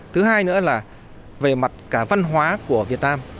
thứ hai nữa là về mặt cả văn hóa của việt nam